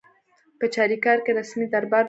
په چاریکار کې رسمي دربار جوړ شو.